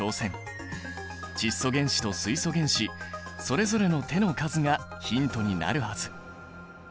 窒素原子と水素原子それぞれの手の数がヒントになるはず。